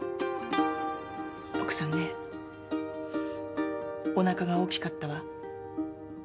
奥さんねおなかが大きかったわ。